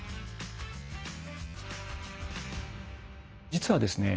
実はですね